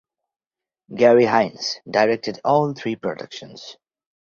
Garry Hynes directed all three productions.